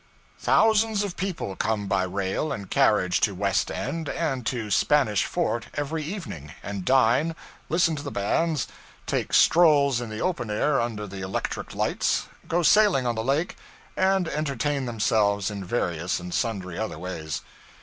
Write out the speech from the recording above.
Thousands of people come by rail and carriage to West End and to Spanish Fort every evening, and dine, listen to the bands, take strolls in the open air under the electric lights, go sailing on the lake, and entertain themselves in various and sundry other ways.